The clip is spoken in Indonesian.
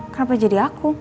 kenapa jadi aku